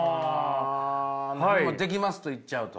もうできますと言っちゃうと。